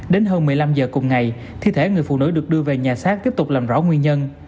đến hơn một mươi năm h cùng ngày thi thể người phụ nữ được đưa về nhà xác tiếp tục làm rõ nguyên nhân